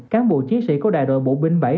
cán bộ chiến sĩ của đại đội bộ binh bảy